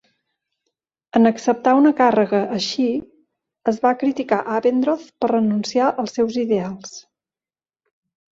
En acceptar una càrrega així, es va criticar Abendroth per renunciar els seus ideals.